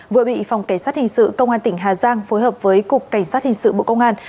vừa bị phòng cảnh sát hình sự công an tỉnh hà giang phối hợp với cục cảnh sát hình sự bộ công an